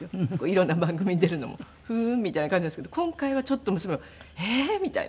色んな番組に出るのも「ふーん」みたいな感じなんですけど今回はちょっと娘も「ええー？」みたいな。